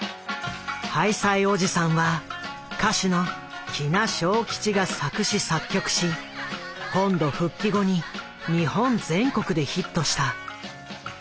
「ハイサイおじさん」は歌手の喜納昌吉が作詞作曲し本土復帰後に日本全国でヒットした。